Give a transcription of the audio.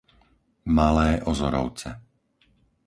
Malé Ozorovce